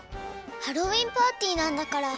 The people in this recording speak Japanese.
ハロウィーンパーティーなんだから。